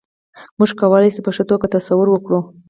موږ کولای شو په ښه توګه تصور وکړو.